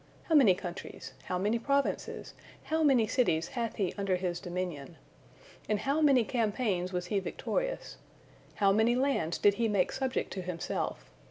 How many countries, how many provinces, how many cities hath He under His dominion? In how many campaigns was He victorious? How many lands did He make subject to Himself?